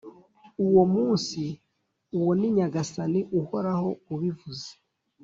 uwo munsi— uwo ni nyagasani uhoraho ubivuze